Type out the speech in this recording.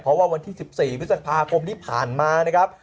เพราะว่าวันที่๑๔พฤษภาคมที่ผ่านมานะครับ